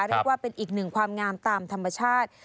เรียกว่าเป็นอีกหนึ่งความงามตามธรรมชาติ